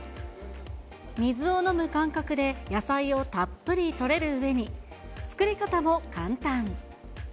水を飲む感覚で、野菜をたっぷりとれるうえに、作り方も簡単。